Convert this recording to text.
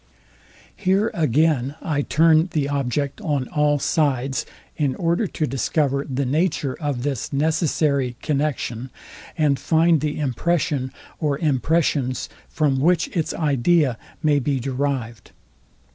Here again I turn the object on all sides, in order to discover the nature of this necessary connexion, and find the impression, or impressions, from which its idea may be derived.